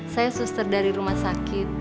saya suster dari rumah sakit